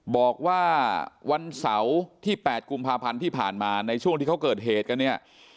บอกว่าวันเสาร์ที่๘กุมภาพันธ์ที่ผ่านมาในช่วงที่เขาเกิดเหตุกันเนี่ย